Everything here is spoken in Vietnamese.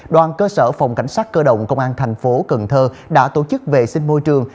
đoàn cơ sở phòng cảnh sát cơ động công an tp hcm đã tổ chức vệ sinh môi trường